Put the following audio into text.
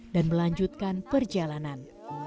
dan melanjutkan perjalanan